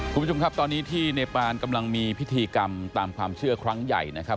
คุณผู้ชมครับตอนนี้ที่เนปานกำลังมีพิธีกรรมตามความเชื่อครั้งใหญ่นะครับ